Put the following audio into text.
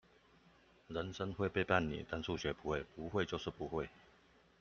人生會背叛你，但數學不會，不會就是不會